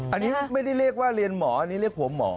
อันนี้ไม่ได้เรียกว่าเรียนหมออันนี้เรียกหัวหมอ